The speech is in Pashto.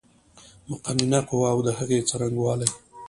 مقننه قوه اود هغې څرنګوالی